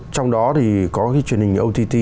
trong đó thì có truyền hình ott